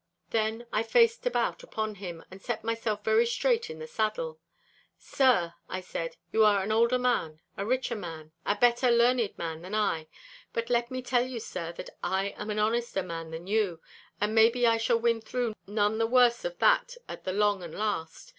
Then I faced about upon him, and set myself very straight in the saddle. 'Sir,' I said, 'you are an older man, a richer man, a better learned man than I. But let me tell you, sir, that I am an honester man than you; and maybe I shall win though none the worse of that at the long and last.